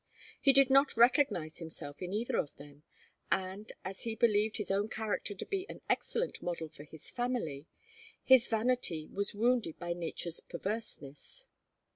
He did not recognize himself in either of them, and, as he believed his own character to be an excellent model for his family, his vanity was wounded by nature's perverseness.